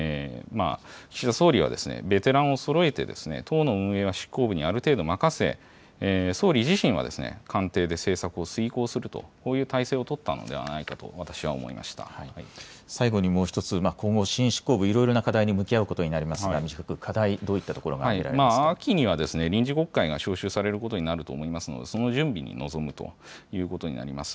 岸田総理はベテランをそろえて、党の運営は執行部にある程度任せ、総理自身は官邸で政策を遂行すると、こういう態勢を取ったのでは最後にもう一つ、今後、新執行部、いろいろな課題に向き合うことになりますが、短く課題、ど秋には、臨時国会が召集されることになると思いますので、その準備に臨むということになります。